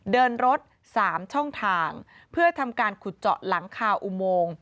เดินรถ๓ช่องทางเพื่อทำการขุดเจาะหลังคาอุโมง